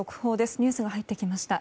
ニュースが入ってきました。